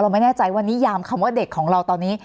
ไม่แน่ใจว่านิยามคำว่าเด็กของเราตอนนี้